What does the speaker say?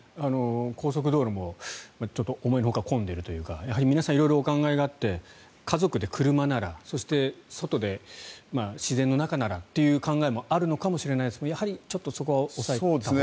高速道路もちょっと思いのほか混んでいるというかやはり皆さん色々お考えがあって家族で車ならそして、外で自然の中ならという考えもあるのかもしれないですがやはりちょっとそこは抑えたほうが。